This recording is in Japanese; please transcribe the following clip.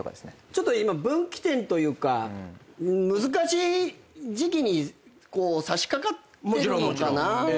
ちょっと今分岐点というか難しい時期にさしかかってるのかなっていう。